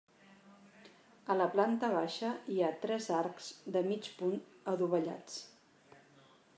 A la planta baixa hi ha tres arcs de mig punt adovellats.